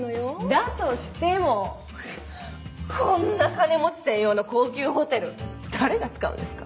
だとしてもこんな金持ち専用の高級ホテル誰が使うんですか？